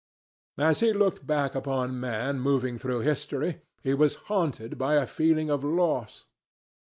As he looked back upon man moving through history, he was haunted by a feeling of loss.